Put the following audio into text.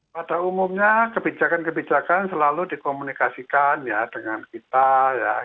pada umumnya kebijakan kebijakan selalu dikomunikasikan ya dengan kita ya